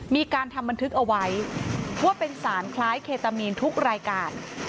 มีการทำบันทึกเอาไว้ว่าเป็นสารคล้ายเคตามีนทุกรายการ